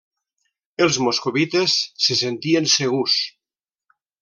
Els moscovites se sentien segurs.